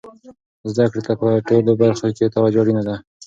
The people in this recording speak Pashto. زده کړې ته په ټولو برخو کې توجه اړینه ده.